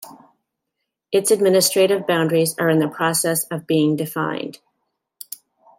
Its administrative boundaries are in the process of being defined.